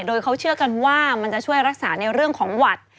โดยเขาเชื่อกันว่ามันจะช่วยรักษาในเรื่องของหวัด